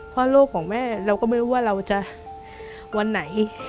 เพราะโลกของแม่เราก็ไม่รู้ว่าเราจะวันไหน